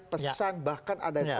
pesan bahkan ada